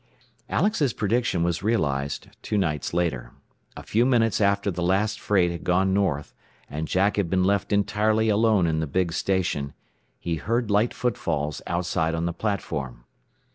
Alex's prediction was realized two nights later. A few minutes after the last freight had gone north, and Jack had been left entirely alone in the big station, he heard light footfalls outside on the platform.